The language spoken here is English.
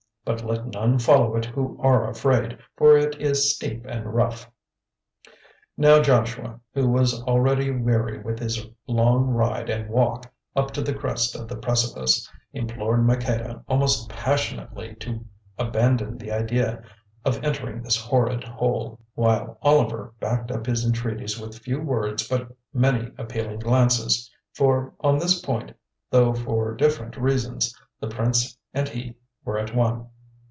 But let none follow it who are afraid, for it is steep and rough." Now Joshua, who was already weary with his long ride and walk up to the crest of the precipice, implored Maqueda almost passionately to abandon the idea of entering this horrid hole, while Oliver backed up his entreaties with few words but many appealing glances, for on this point, though for different reasons, the prince and he were at one.